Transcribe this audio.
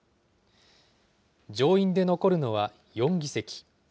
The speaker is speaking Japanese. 上院で残るのは４議席。